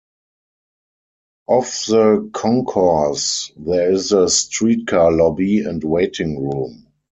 Off the concourse there is a streetcar lobby and waiting room.